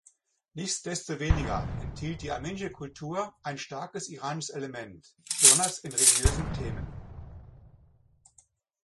Nichtsdestoweniger enthielt die armenische Kultur ein starkes iranisches Element, besonders in religiösen Themen.